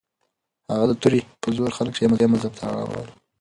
هغه د توري په زور خلک شیعه مذهب ته اړول.